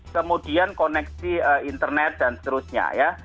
kemudian koneksi internet dan seterusnya ya